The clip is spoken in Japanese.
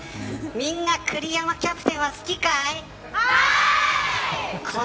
みんな、栗山キャプテンは好きかはい。